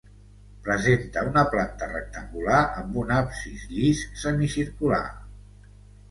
Presenta una planta rectangular amb un absis llis semicircular.